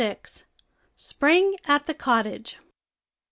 SPRING AT THE COTTAGE.